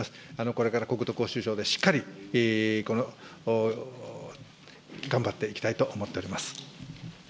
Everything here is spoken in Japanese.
これから国土交通省でしっかりこの頑張っていきたいと思っております。